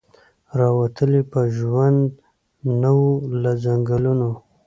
را وتلی په ژوند نه وو له ځنګلونو